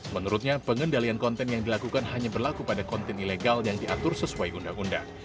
menurutnya pengendalian konten yang dilakukan hanya berlaku pada konten ilegal yang diatur sesuai undang undang